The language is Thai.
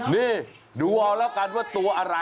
นี่ดูเอาแล้วกันว่าตัวอะไร